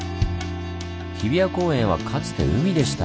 日比谷公園はかつて海でした。